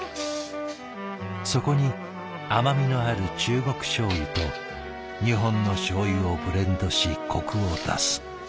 そこに甘みのある中国しょう油と日本のしょう油をブレンドしコクを出す。